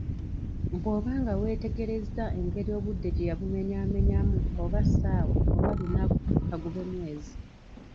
Bwoba nga weetegerezza engeri obudde gyeyabumenyamenyamu, oba ssaawa, oba lunaku, kagube mwezi